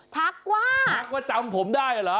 ทักว่าทักว่าจำผมได้เหรอ